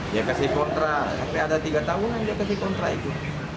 dia kasih kontras sampai ada tiga tahun yang dia kasih kontras itu